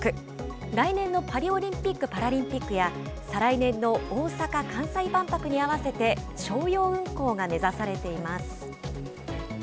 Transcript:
来年のパリオリンピック・パラリンピックや、再来年の大阪・関西万博に合わせて商用運航が目指されています。